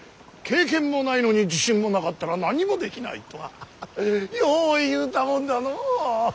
「経験もないのに自信もなかったら何もできない」とはよう言うたもんだのう。